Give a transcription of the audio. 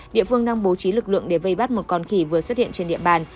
địa phương đang bố trí lực lượng để vây bắt một con khỉ vừa xuất hiện trên địa bàn